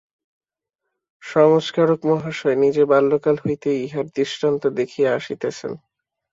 সংস্কারকমহাশয় নিজে বাল্যকাল হইতেই ইহার দৃষ্টান্ত দেখাইয়া আসিতেছেন।